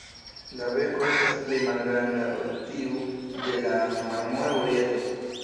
La beko estas pli malgranda ol tiu de la Marmora urieto.